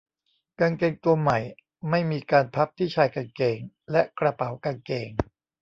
กางเกงตัวใหม่ไม่มีการพับที่ชายกางเกงและกระเป๋ากางเกง